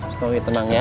snowy tenang ya